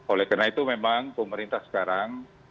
oleh karena itu memang pemerintah sekarang